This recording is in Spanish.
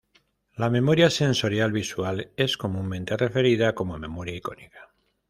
La memoria sensorial visual es comúnmente referida como memoria icónica.